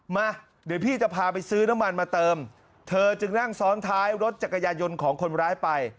มาเดี๋ยวพี่จะพาไปซื้อน้ำมันมาเติมเธอจึงนั่งซ้อนท้ายรถจักรยายนต์ของคนร้ายไป